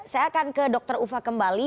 saya akan ke dr ufa kembali